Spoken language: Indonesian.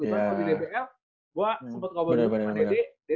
kalau di dbl gue sempet ngobrol dengan dede